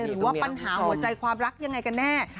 หรือว่าปัญหาหัวใจความรักยังไงกันแน่